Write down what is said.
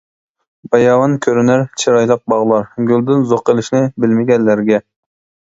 باياۋان كۆرۈنەر چىرايلىق باغلار، گۈلدىن زوق ئېلىشنى بىلمىگەنلەرگە.